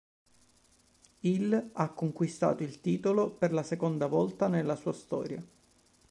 Il ha conquistato il titolo per la seconda volta nella sua storia.